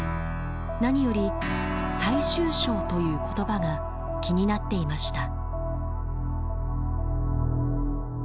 何より「最終章」という言葉が気になっていました。